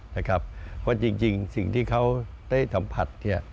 เพราะจริงสิ่งที่เขาได้สัมผัส